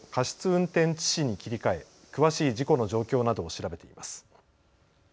運転致死に切り替え詳しい事故の状況などを調べています。